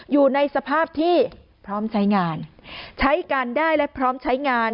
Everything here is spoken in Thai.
อยู่ในสภาพที่พร้อมใช้งานใช้การได้และพร้อมใช้งาน